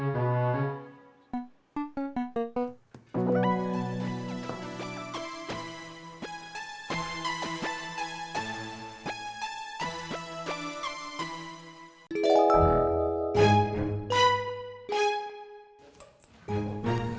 kenapa sih mama mesti ambil lagi